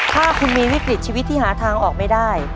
ถ้าคุณมีวิกฤตชีวิตที่หาทางออกไม่ได้